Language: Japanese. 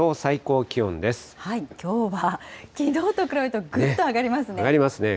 きょうは、きのうと比べてもぐっと上がりますね。